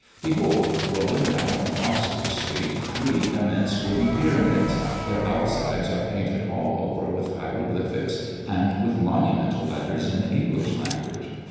Behold, rolling down from Oxford Street, three immense wooden pyramids their outsides are painted all over with hieroglyphics and with monumental letters in the English language.